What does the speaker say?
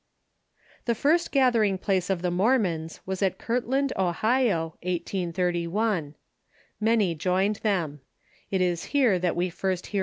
The first gathering place of the Mormons was at Kirtland, Ohio, 1831. ]\Iany joined them. It is here that we first hear „